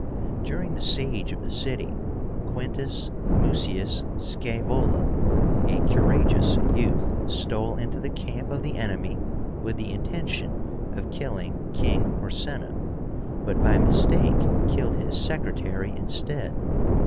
During the siege of the city, QUINTUS MUCIUS SCAEVOLA, a courageous youth, stole into the camp of the enemy with the intention of killing King Porsena, but by mistake killed his secretary instead.